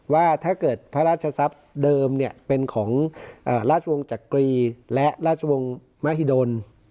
ว่าถ้าเกิดพระราชทรัพย์เดิมเป็นของราชวงศ์จักรีและราชวงศ์มหิดล